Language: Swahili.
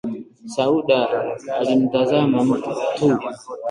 Sauda alimtazama tu